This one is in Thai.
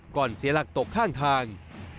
เสียหลักตกข้างทาง